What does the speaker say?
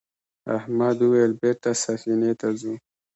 احمد وویل بېرته سفینې ته ځو.